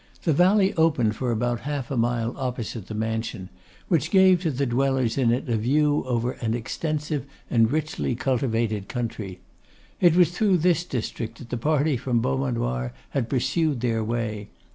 The valley opened for about half a mile opposite the mansion, which gave to the dwellers in it a view over an extensive and richly cultivated country. It was through this district that the party from Beaumanoir had pursued their way.